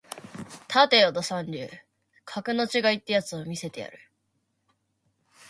立てよド三流格の違いってやつを見せてやる